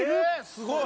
すごい！